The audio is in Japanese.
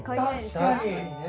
確かにね。